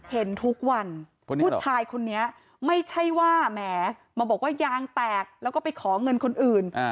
เห็นทุกวันผู้ชายคนนี้ไม่ใช่ว่าแหมมาบอกว่ายางแตกแล้วก็ไปขอเงินคนอื่น